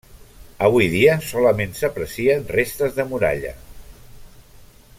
Avui dia solament s'aprecien restes de muralla.